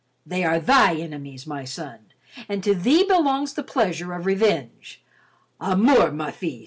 "They are thy enemies, my son, and to thee belongs the pleasure of revenge; à mort, mon fils."